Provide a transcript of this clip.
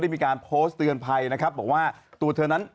บอกว่าตัวเธอนั้น